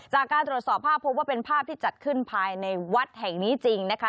จากการตรวจสอบภาพพบว่าเป็นภาพที่จัดขึ้นภายในวัดแห่งนี้จริงนะคะ